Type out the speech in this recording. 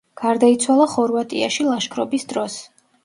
გარდაიცვალა ხორვატიაში ლაშქრობის დროს.